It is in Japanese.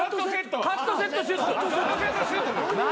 カットセットシュート。